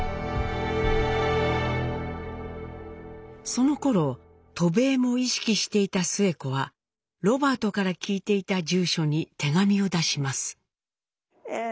そのころ渡米も意識していたスエ子はロバートから聞いていた住所に手紙を出します。